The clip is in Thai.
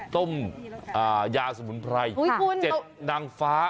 ต้มยาสมุนไพร๗นางฟ้า